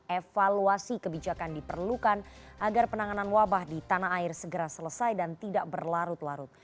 evaluasi kebijakan diperlukan agar penanganan wabah di tanah air segera selesai dan tidak berlarut larut